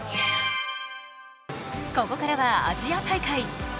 ここからはアジア大会。